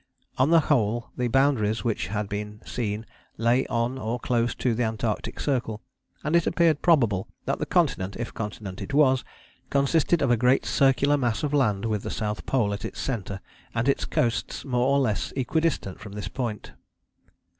On the whole the boundaries which had been seen lay on or close to the Antarctic Circle, and it appeared probable that the continent, if continent it was, consisted of a great circular mass of land with the South Pole at its centre, and its coasts more or less equidistant from this point.